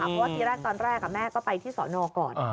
เพราะว่าทีแรกตอนแรกแม่ก็ไปที่สอนอก่อน